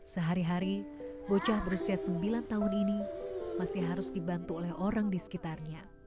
sehari hari bocah berusia sembilan tahun ini masih harus dibantu oleh orang di sekitarnya